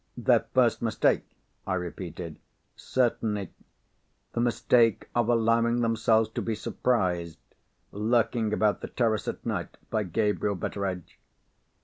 "Their first mistake?" I repeated. "Certainly! The mistake of allowing themselves to be surprised, lurking about the terrace at night, by Gabriel Betteredge.